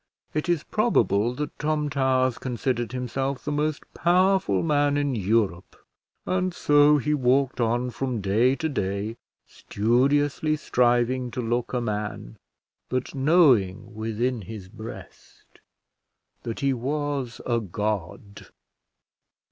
It is probable that Tom Towers considered himself the most powerful man in Europe; and so he walked on from day to day, studiously striving to look a man, but knowing within his breast that he was a god.